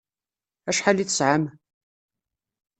Acḥal i tesɛam?